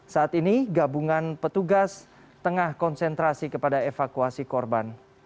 saat ini gabungan petugas tengah konsentrasi kepada evakuasi korban